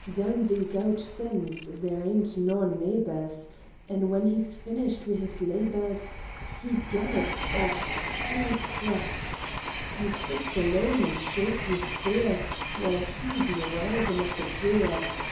Down these owd Fens there ain't noa neighbours, An' when he's finished wi' his labours, He gallops off full crack! I sits aloan an' shaakes wi' fear While he be rousin' at the 'Deer.'